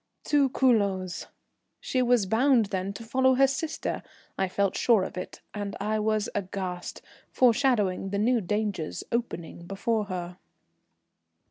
To Culoz? She was bound then to follow her sister, I felt sure of it; and I was aghast, foreshadowing the new dangers opening before her.